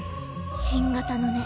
新型のね。